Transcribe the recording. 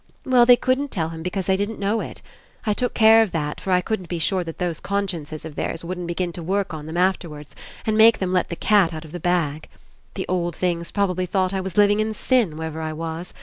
Well, they couldn't tell him • 42 ENCOUNTER because they didn't know it. I took care of that, for I couldn't be sure that those consciences of theirs wouldn't begin to work on them after wards and make them let the cat out of the bag. The old things probably thought I was living In sin, wherever I was.